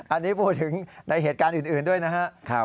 อันนี้พูดถึงในเหตุการณ์อื่นด้วยนะครับ